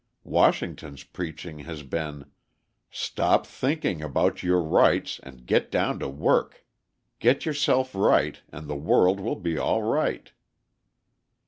Washington's preaching has been: "Stop thinking about your rights and get down to work. Get yourself right and the world will be all right."